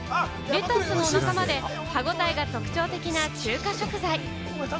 レタスの仲間で歯応えが特徴的な中華食材。